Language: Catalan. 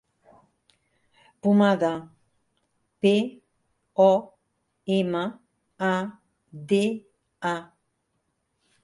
Pomada: pe, o, ema, a, de, a.